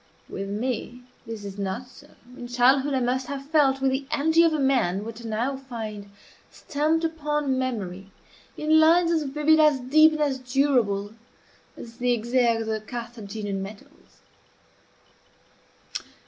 With me this is not so. In childhood I must have felt, with the energy of a man, what I now find stamped upon memory in lines as vivid, as deep, and as durable as the exergues of the Carthaginian medals.